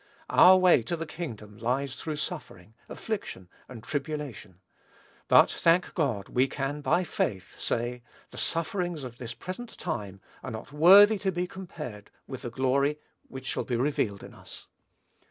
Our way to the kingdom lies through suffering, affliction, and tribulation; but, thank God, we can, by faith, say, "the sufferings of this present time are not worthy to be compared with the glory which shall be revealed in us."